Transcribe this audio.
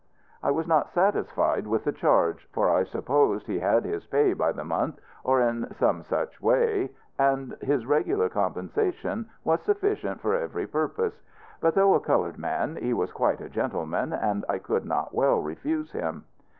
I was not satisfied with the charge; for I supposed he had his pay by the month, or in some such way, and his regular compensation was sufficient for every purpose: but though a colored man, he was quite a gentleman, and I could not well refuse him.